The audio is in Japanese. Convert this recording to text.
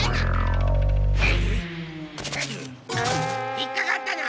ひっかかったな！